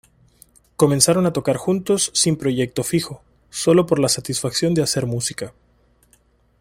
Comenzaron a tocar juntos sin proyecto fijo, sólo por la satisfacción de hacer música.